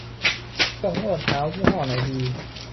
เครื่องนวดเท้ายี่ห้อไหนดี